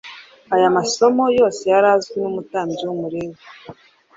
Aya masomo yose yari azwi n'umutambyi n'umulewi,